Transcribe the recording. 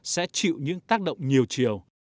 sẽ chịu những tác động nhiều triệu